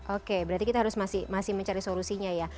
oke berarti kita harus masih mencari solusinya ya